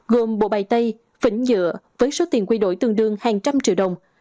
gồm bộ bày tay phỉnh dựa với số tiền quy đổi tương đương hàng trăm triệu đồng